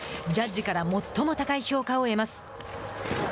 ジャッジから最も高い評価を得ます。